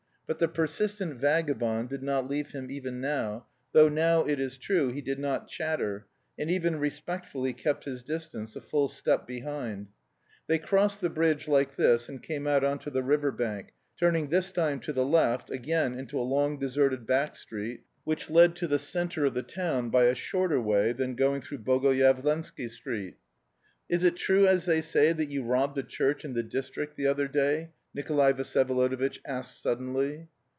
But the persistent vagabond did not leave him even now, though now, it is true, he did not chatter, and even respectfully kept his distance, a full step behind. They crossed the bridge like this and came out on to the river bank, turning this time to the left, again into a long deserted back street, which led to the centre of the town by a shorter way than going through Bogoyavlensky Street. "Is it true, as they say, that you robbed a church in the district the other day?" Nikolay Vsyevolodovitch asked suddenly.